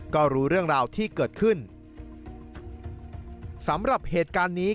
ก็รู้เรื่องราวที่เกิดขึ้นสำหรับเหตุการณ์นี้